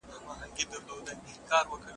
که استاد څېړونکی وي نو شاګرد ښه روزل کېږي.